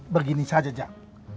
begini saja jam